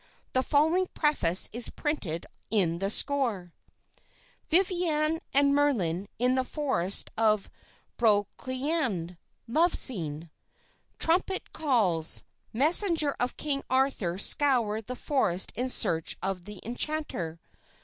The following preface is printed in the score: "Viviane and Merlin in the forest of Brocéliande. Love scene. "Trumpet calls. Messengers of King Arthur scour the forest in search of the enchanter.